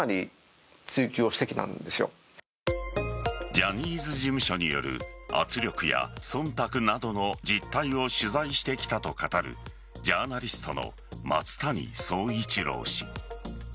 ジャニーズ事務所による圧力や忖度などの実態を取材してきたと語るジャーナリストの松谷創一郎氏。